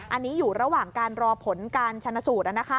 อันนี้อยู่ระหว่างการรอผลการชนะสูตร